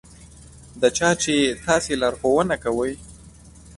د چا چې تاسې لارښوونه کوئ.